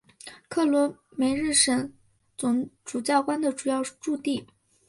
克罗梅日什总主教宫的主要驻地。